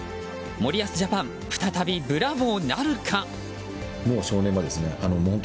森保ジャパン再びブラボーなるか。